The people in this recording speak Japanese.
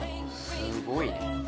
すごいね。